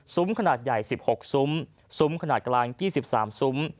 ขนาดใหญ่๑๖ซุ้มซุ้มขนาดกลาง๒๓ซุ้ม